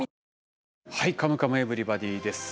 はい「カムカムエヴリバディ」です。